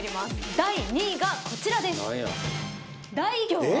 第２位がこちらです。